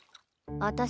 私